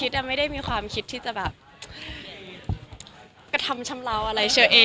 เรียกว่าเปลี่ยนรสนิยมอะไรอย่างเงี้ย